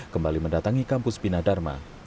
kembali mendatangi kampus bina dharma